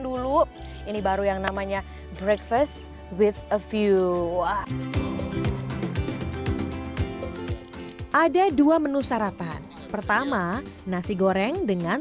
dulu ini baru yang namanya breakfast with a view ada dua menu sarapan pertama nasi goreng dengan